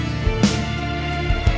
nama itu apa